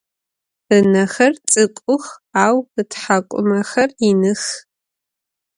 Inexer ts'ık'ux au ıthak'umexer yinıx.